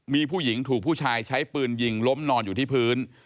มีผู้หญิงถูกผู้ชายใช้ปืนยิงล้มนอนอยู่ที่พื้น